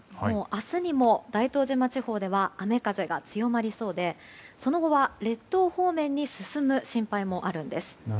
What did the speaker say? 明日にも大東島地方では雨風が強まりそうでその後は列島方面に進む心配もあるんです。